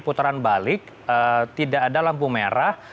putaran balik tidak ada lampu merah